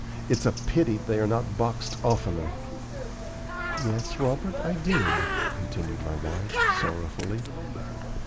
"It's a pity they are not boxed oftener." "Yes, Robert, I did," continued my wife, sorrowfully.